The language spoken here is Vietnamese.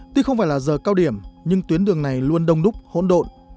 tuy không phải là giờ cao điểm nhưng tuyến đường này luôn đông đúc hỗn độn